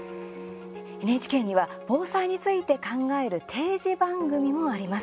ＮＨＫには、防災について考える定時番組もあります。